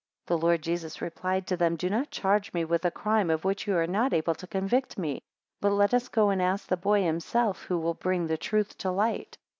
8 The Lord Jesus replied to them, Do not charge me with a crime of which you are not able to convict me, but let us go and ask the boy himself, who will bring the truth to light.